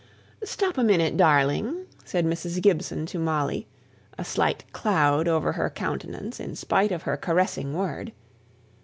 "Stop a minute, darling," said Mrs. Gibson to Molly a slight cloud over her countenance, in spite of her caressing word.